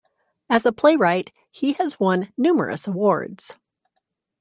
As a playwright, he has won numerous awards.